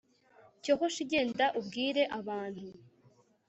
Cyo hoshi genda ubwire abantu